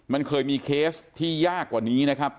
มันเคยมีเคสที่ยากกว่านี้นะครับ